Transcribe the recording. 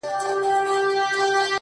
په ځان کي ننوتم «هو» ته چي سجده وکړه-